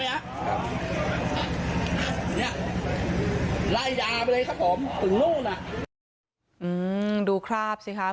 เนี้ยรายยาไปเลยครับผมถึงรุ่นน่ะอืมดูคราบสิค่ะ